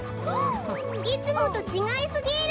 いつもとちがいすぎる！